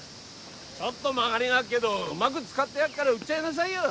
ちょっと曲がりがあっけどうまぐ使ってやっから売っちゃいなさいよ。